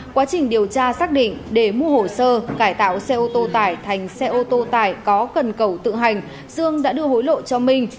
quá trình điều tra xác định để mua hồ sơ cải tạo xe ô tô tải thành xe ô tô tải có cần cầu tự hành dương đã đưa hối lộ cho minh